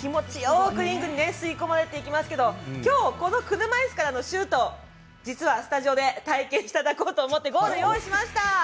気持ちよくリングに吸い込まれていきますけどきょうこの車いすからのシュート実はスタジオで体験いただこうと思ってゴール、用意しました。